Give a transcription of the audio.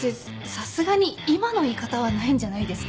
さすがに今の言い方はないんじゃないですか？